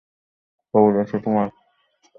খবর আছে তোমার।